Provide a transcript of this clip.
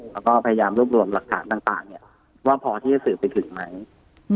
แล้วก็พยายามรวบรวมหลักฐานต่างเนี่ยว่าพอที่จะสื่อไปถึงไหม